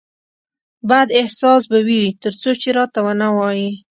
بد احساس به وي ترڅو چې راته ونه وایې